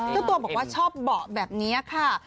เจ้าตัวบอกว่าชอบเบาะแบบนี้ค่ะ